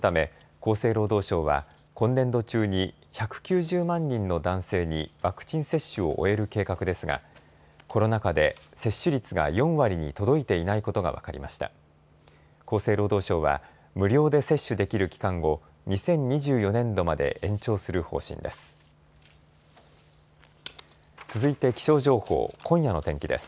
厚生労働省は無料で接種できる期間を２０２４年度まで延長する方針です。